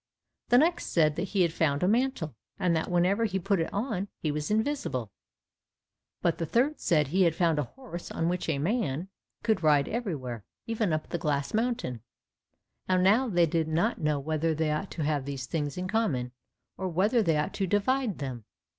The next said that he had found a mantle, and that whenever he put it on, he was invisible, but the third said he had found a horse on which a man could ride everywhere, even up the glass mountain. And now they did not know whether they ought to have these things in common, or whether they ought to divide them.